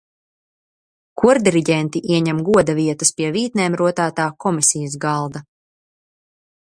Kordiriģenti ieņem goda vietas pie vītnēm rotātā komisijas galda.